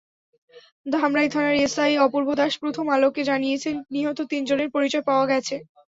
ধামরাই থানার এসআই অপূর্ব দাস প্রথম আলোকে জানিয়েছেন, নিহত তিনজনের পরিচয় পাওয়া গেছে।